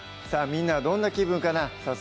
みんなはどんな気分かなぁ